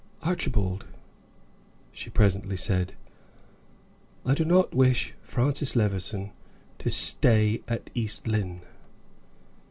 "Archibald," she presently said, "I do not wish Francis Levison to stay at East Lynne."